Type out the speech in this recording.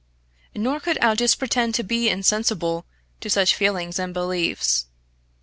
Nor could Aldous pretend to be insensible to such feelings and beliefs.